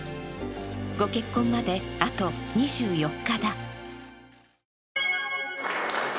御結婚まであと２４日だ。